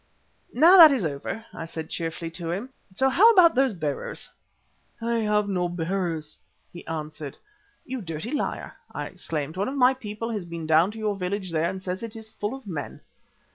"Now that is over," I said cheerfully to him, "so how about those bearers?" "I have no bearers," he answered. "You dirty liar," I exclaimed; "one of my people has been down to your village there and says it is full of men."